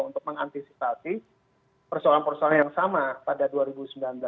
untuk mengantisipasi persoalan persoalan yang sama pada dua ribu sembilan belas